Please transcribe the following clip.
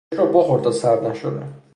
چاییت رو بخور تا سرد نشده.